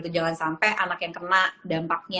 jangan sampai anak yang kena dampaknya